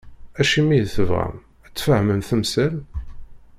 Acimi i tebɣam, a-tt-fehmem temsal?